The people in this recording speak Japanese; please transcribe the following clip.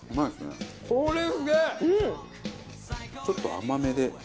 ちょっと甘めで。